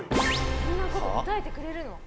こんなこと答えてくれるの？